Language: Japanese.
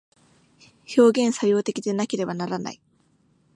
表現作用的でなければならない。